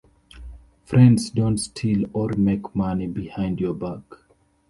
Friends don't steal or make money behind your back.